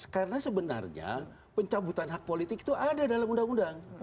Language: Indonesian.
karena sebenarnya pencabutan hak politik itu ada dalam undang undang